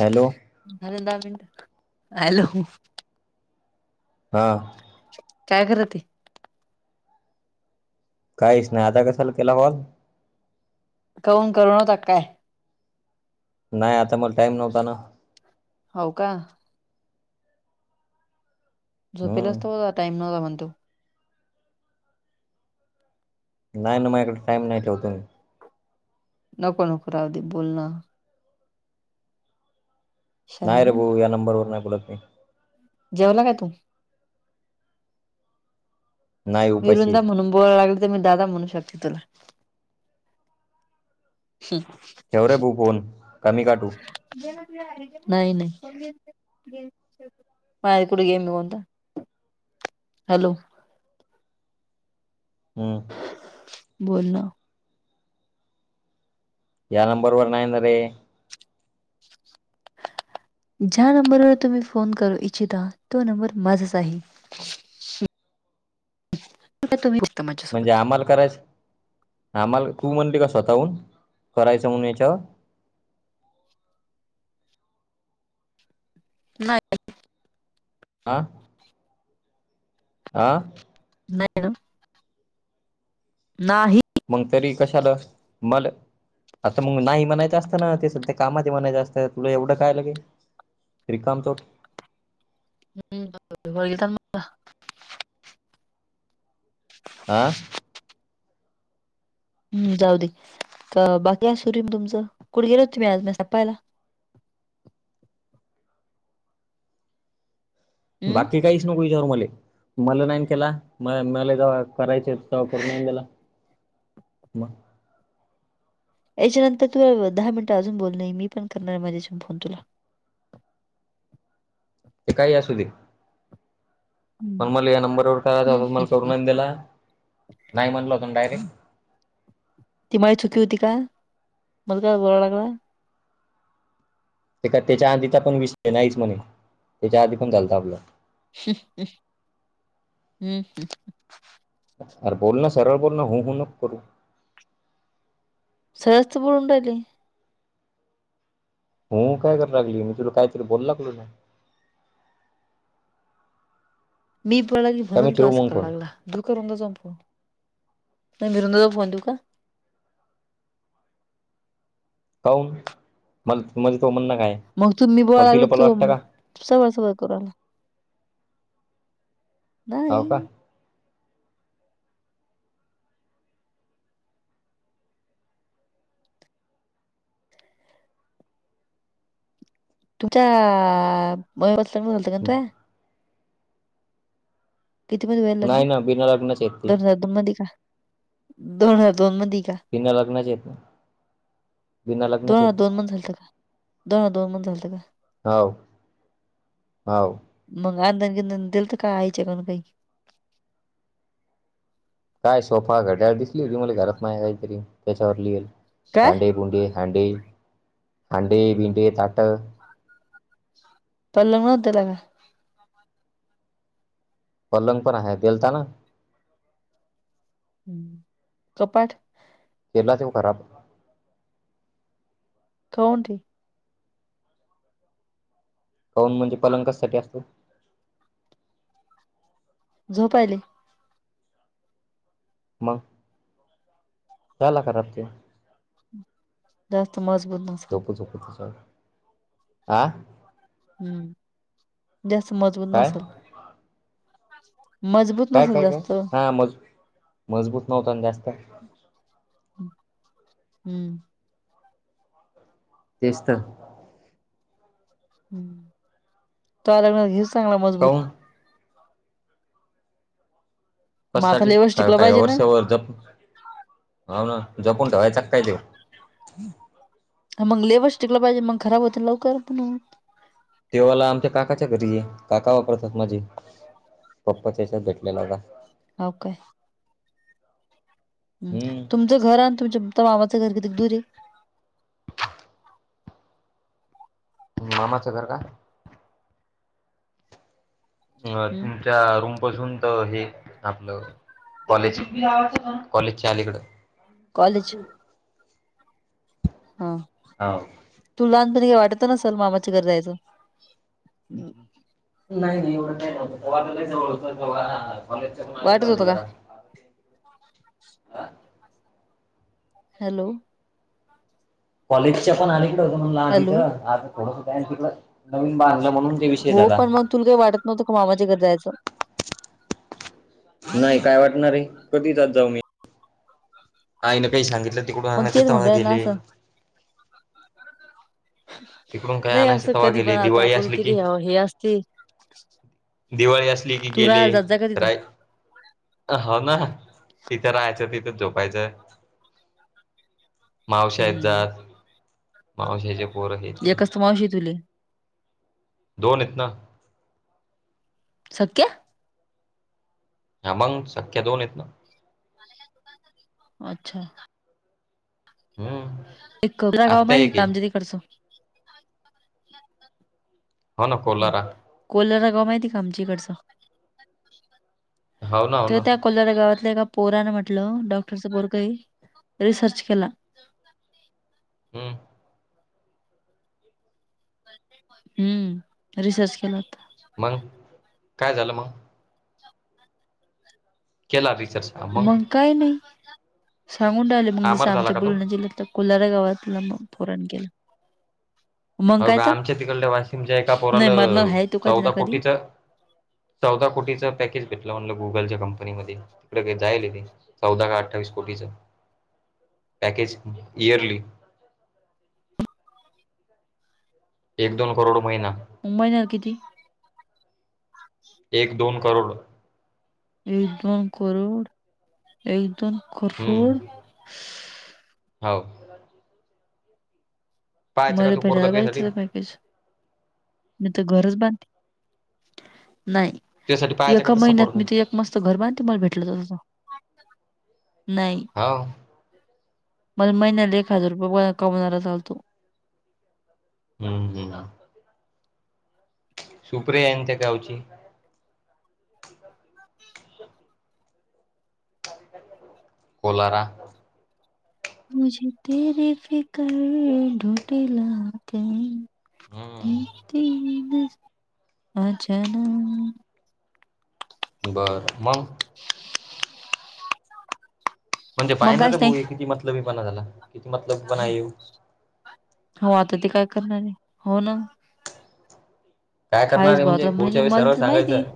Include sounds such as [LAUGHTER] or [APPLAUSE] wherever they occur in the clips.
Hello hello हा. काय करत काहीच नाही आता कशाला केला कॉल? खाऊन कमवता काय? नाही आता मल टाइम नव्हता ना. हाव का. झोपेला असतो हम्म टाइम [UNINTELLIGIBLE] म्हणतो. नाही ना माझ्याकडे टाईम नाही ठेवतो मी. नको नको राहू दे बोलनं. नाही रे शाईने भाऊ या नंबरवर नाही बोलात मी. जेवला का तू? नाही उपाशी मीरूंदा आहे. म्हणून बोलाय लागले तर मी दादा म्हणू शकते तुला. ठेवरे बू फोन का मी काटू? नाही नाही. माया कुडे गेम निवांता हॅलो. हम्म. बोल ना. या नंबर वर नाही ना रे. ज्या नंबरवर तुम्ही फोन करू इच्छित आहा तो नंबर माझाच आहे. [UNINTELLIGIBLE] तुम्ही [UNINTELLIGIBLE] माझ्यासोबत. करायचं आम्हाला तू म्हणली का स्वतःहून करायच म्हणून याच्यावर? नाही. आं आं [UNINTELLIGIBLE] ना. नाही. मग तरी कशाला मालं आता मग नाही म्हणायचं असतं ना ते सध्या कामात आहे म्हणायचं असतं तुला एवढं काय लगे. त्रिकाम चोट [UNINTELLIGIBLE] आं हम्म जाऊ दे तर बाकी असुरीम तुमचं कुठे गेलो तुम्ही आज मी सापायला. हम्म बाकी काहीच नको हिज्यावर मले. मला नाहीन केला म मला जेव्हा करायचे तेव्हा करून नाहीन दिला. म याच्यानंतर तुला दहा मिनिटं अजून बोलनही मी पण करणार आहे माझ्याच्या फोन तुला. ते काही असू दे. हं. पण मला या नंबरवर करायचा हं. होता मला करून नाहींन दिला नाही म्हटला होता डायरेक्. ती माय चुकी होती का मला काय बोला लागयला. ते का त्याच्या आधीचा पण विषय नाहीच म्हणे त्याच्या आधी पण झालता आपलं. [UNINTELLIGIBLE] अर बोल ना सरळ बोल ना हुं हुं नको करू. सरस तर बोलून राहिली. हुं हुं काय कराय लागली मी तुला काहीतरी बोलू लागलो ना. मी पळाली का मी म्हणून तो ठेवू असं मग करा फोन लागला. दिऊ का रुंदाजा फोन नाही मी रुंदाला फोन देऊ का? काऊन? मल-मला [UNINTELLIGIBLE] तो म्हण ना काय? मग तुम्ही मला तिला बोलायले पण वाटतं तुम, का सवळ सवळ करूला हाव का नाही. तुमच्यआ अ, [UNINTELLIGIBLE] लतं का तू? किती मदि व्हयेल लग्न, नाही ना बिना लग्नाचे आहेत ते दोन हजार दोन मदि का, दोन हजार दोन मदि का? पिंगा लग्नाचे ये. दोन हा दोन मदी झालत का, दोन दोन मदी झालतं का? हाव हाव. मंग अंधन बिंदन दिल का, आयच्याकडन काही? काय सोफा घड्याळ दिसली की तुम्हाले घरात माया काहीतरी, त्याच्यावर लिहेल, काय? भांडे बुंडे हांडे, आण्डे बिंडे, ताट पलंग नव्हता दिला का? पलंग पण आहे, देलता ना. ह्म, कपाट? केला त्यो खराब. थोन ते [UNINTELLIGIBLE] काऊन, म्हणजे पलंग कशासाठी असतो? झोपायले. मंग, झाला खराब त्यो. जास्त मजबूत ब झोपू झोपू [UNINTELLIGIBLE] आं? हम्म, जास्त मजबूत काय नसल, मजबूत नसेल काय-काय? जास्त हां मज-मजबूत नव्हता ना जास्त. हम्म. तेचतर. ह, तोया लग्नात घे चांगला, मजबूत. काऊन मग आता कससाठी? लेवच टिकला कय-काय पाहिजे ना वर्षभर, जप, हो ना, जपून ठेवायचा काय त्यो? हं मंग लेबच टिकला पाहिजे, मंग खराब होत लवकर पण ते वाला आमच्या काकाच्या घरी ये, काका वापरतात माझे, पप्पाच्या याच्यात भेटलेला व्हता. हो का? अम हम्म तुमचं घर आणि तुमच-तो मामाचं घर किती ये? मामाचं घर का? अ हम्म तुमच्या रूमपासून त हे, आपलं कॉलेज-कॉलेजच्या अली कडं. कॉलेज हं. हाव. तु लहानपनी काय वाटत नसल, मामाच्या घरी रायचं. नाही- नही एवढं काही प्रॉब्लम वार लई जोरात होतं, काळत ते कॉलेजच्या पण ऐकलं वाटत होतं का जरा. आ? हॅलो? कॉलेजच्या पण आलीकड होऊन ला हॅलो तिथं, आता थोडस [UNINTELLIGIBLE] तिकड. नवीन बांधलं म्हणून, ते विषय हो झाला. पण मग तुला काही वाटत नव्हंत का? मामाच्या घरी जायचं. नाही काय वाटणार ये, कधीे जात जाऊ मी? आईन काही सांगितलं, तिकडून मग तेच आणायचं, म्हणून तेव्हा राहिला ना गेले. असं तिकडून काय नाही आणायचे असं तवा कधी पण गेले आता दिवाळी आपण, असली किती की ह्याव हे असते. दिवाळी असली की तू गेले राहायला जात जा का तिथं राय हो ना, तिथं राहायचं तिथंच झोपायचंय. मावश्या हम्म येतजात मावश्याचे पोरं हे ते एकच मावशी तुले दोन हेत ना. सके हा मंग सख्या दोन आहेत ना. अच्छा हम्म एकवला गाव आत्या माहीत एक का आहे आमच्या तिकडचं हो ना कोलारा कोलरागाव माहिती का आमच्या ईकडचं हो ना हो त ना त्या कोलरागावातल्या एका पोरानं म्हटलं डॉक्टरचं पोरगय रिसर्च केला. हम्म हम्म रिसर्च केलं होत. मंग काय झालं म केला रीचर्स मग काय नाही सांगून राहिलं मग जसं आमर झाला आमच्या का तो बोलना जिल्ह्यातलं कुलारा गावातलं म पोराण केलं मग हाव काय का तर आमच्या तिकडल्या वाशिमच्या एका नाही पोराल मरणार आहे तो कधी ना चौदा कधी कोटीच चौदा कोटीच पॅकेज भेटलं म्हणलं गुगलच्या कंपनी मध्ये तिकडे ते जायल ते चौदा का अठ्ठावीस कोटीच पॅकेज इयरली एक दोन करोड महिना महिनाला किती? एक दोन करोड एक-दोन करोड, एक-दोन करोड हम्म हो. [UNINTELLIGIBLE] पाहायचं मी का तू पोरगा तुझ्यासाठी तर घरच बांध नाय, त्यासाठी पाहायचा का एका तसा महिन्यात पोरगा मी तर एक मस्त घर बांधते मला भेटल तर, नाही. हाव मला महिन्याला एक हजार रुपये गोळा, कमवणारा चालतो. हम्म हम्म. सुप्रियांच्या गावची कोलारा मुझे तेरे फिकर [UNINTELLIGIBLE] हम्म नितीन आजाणा बरं मंग म्हणजे मग पाहिना काहीच रे भाऊ नाही किती मतलबी पणा झाला, किती मतलबी पाना ह्यो हो आता ते काय करणार? हो ना. काय करणार हायच आहे बा म्हणजे आता पुढच्या वेळी मला सर्व तर माहिती आहे सांगायचं.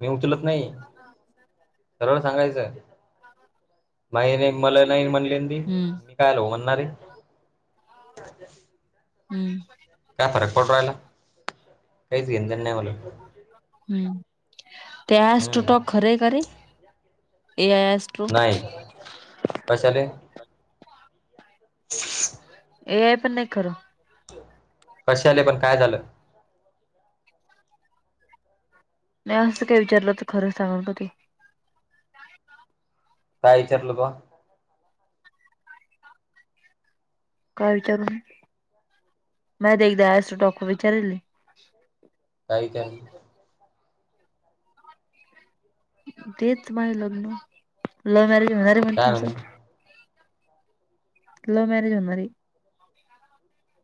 मी उचलत नाही, सर्व सांगायचं हम्म [UNINTELLIGIBLE] [UNINTELLIGIBLE] हम्म काय फरक पडु रायला काहीच घेन-देणं नाही मला. हम्म ते हम्म एस्ट्रोटॉक खर य का रे ए आय एस् नाही कशाले [UNINTELLIGIBLE] ए आय पण नाय खर कशाले पण काय झालं नाय असं काय विचारलं त खरं सांगल ब ते काय इचारलं बुआ काय विचारू मी म्या ते एकदा एस्ट्रॉ्टॉक ला विचारिले काही काय तेच माझ लग्न लव्ह मॅरेज होणार ये म्हण काय तुमचं म्हणे लव्ह मॅरेज होणार ये.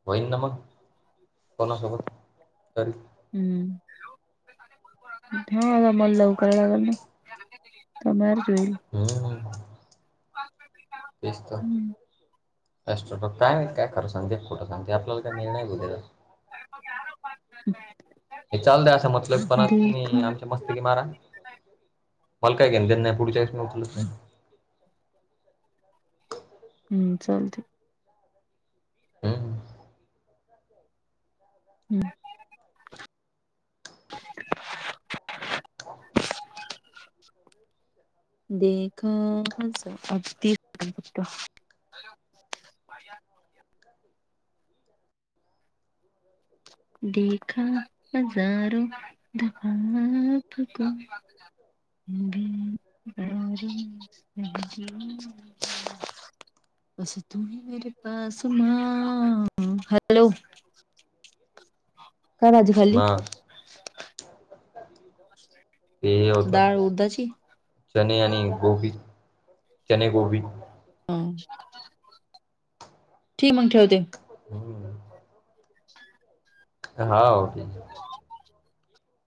होईन ना मग कोणासोबत तरी हम्म [UNINTELLIGIBLE] लव कराला लागल न [UNINTELLIGIBLE] होईल. [UNINTELLIGIBLE] तेच तर अस्ट्रॉटॉक काय माहिती काय खरं सांगते, खोट सांगतय आपल्याला काय मेळ नाय भु त्याजा [UNINTELLIGIBLE] हे चाल द असा मतलबी पणा देखा तुम्ही आम मस्तकी मारा मला काय घेन देणं नाय, पुढच्या आयुष्य मग तुझं तू हम्म चालतंय [UNINTELLIGIBLE] हम् [UNINTELLIGIBLE] देखो [UNINTELLIGIBLE] [UNINTELLIGIBLE] [INAUDIBLE] देखा हजारो दफा आपको [UNINTELLIGIBLE] [UNINTELLIGIBLE] बस तुही मेरे पासमा हॅलो काय भाजी खाल्ली? ना डाळ उडदाची चने आणि गोभी चने गोभी ह ठी मंग ठेवते हम्म हाव ती